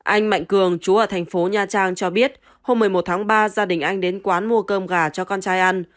anh mạnh cường chú ở thành phố nha trang cho biết hôm một mươi một tháng ba gia đình anh đến quán mua cơm gà cho con trai ăn